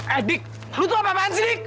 eh dik lu tuh apa apaan sih dik